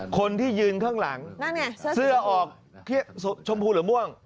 คนที่ยืนข้างหลังนั่นไงเสื้อออกชมพูหรือม่วง